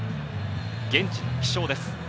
現地の気象です。